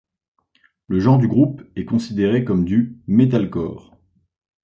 Le genre du groupe est considéré comme du metalcore.